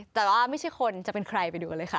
แต่ว่าไม่ใช่คนจะเป็นใครไปดูกันเลยค่ะ